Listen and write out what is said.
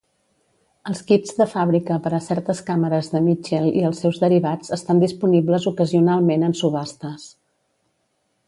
Els "kits" de fàbrica per a certes càmeres de Mitchell i els seus derivats estan disponibles ocasionalment en subhastes.